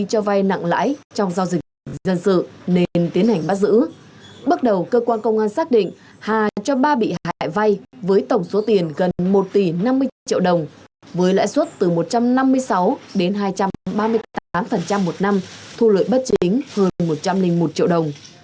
số tiền gần một tỷ năm mươi triệu đồng với lãi suất từ một trăm năm mươi sáu đến hai trăm ba mươi tám một năm thu lưỡi bất chính hơn một trăm linh một triệu đồng